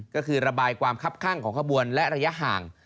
ก็คือระบายความคับข้างของขบวนและระยะห่าง